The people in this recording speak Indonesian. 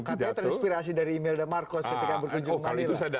katanya terinspirasi dari imelda marcos ketika berkunjung ke manila